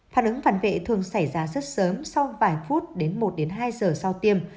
phản ứng phản vệ thường xảy ra rất sớm sau vài phút đến một hai giờ sau tiêm